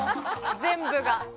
全部が。